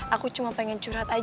aku cuma pengen curhatin